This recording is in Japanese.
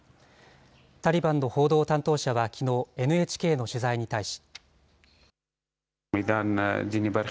タリバンの報道担当者はきのう、ＮＨＫの取材に対し。